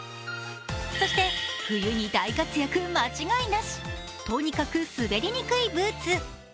そして冬に大活躍間違いなし、とにかく滑りにくいブーツ。